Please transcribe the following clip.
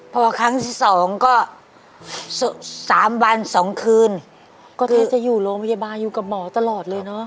พอครั้งที่สองก็สามวันสองคืนก็แทบจะอยู่โรงพยาบาลอยู่กับหมอตลอดเลยเนอะ